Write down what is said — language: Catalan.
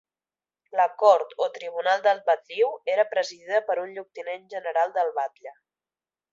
La cort o tribunal del batlliu era presidida per un lloctinent general del batlle.